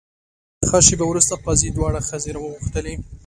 ښه شېبه وروسته قاضي دواړه ښځې راوغوښتلې.